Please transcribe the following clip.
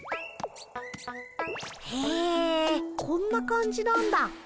へえこんな感じなんだ。